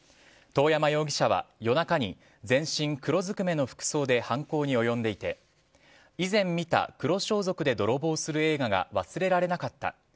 遠山容疑者は夜中に全身黒ずくめの服装で犯行に及んでいて以前見た黒装束で泥棒する映画が忘れられなかった。